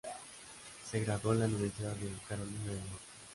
Se graduó en la Universidad de Carolina del Norte.